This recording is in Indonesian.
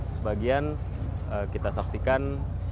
sebagian kita saksikan